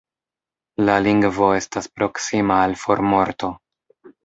La lingvo estas proksima al formorto.